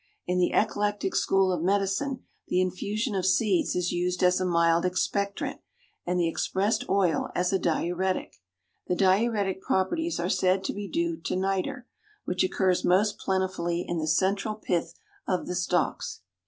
In the eclectic school of medicine the infusion of seeds is used as a mild expectorant, and the expressed oil as a diuretic. The diuretic properties are said to be due to nitre, which occurs most plentifully in the central pith of the stalks.